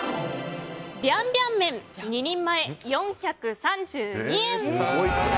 ビャンビャン麺２人前４３２円。